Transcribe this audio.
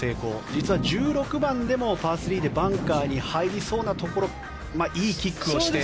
実は１６番でもパー３でバンカーに入りそうなところいいキックをして。